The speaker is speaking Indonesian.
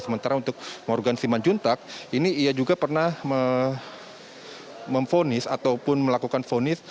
sementara untuk morgan simanjuntak ini ia juga pernah memfonis ataupun melakukan fonis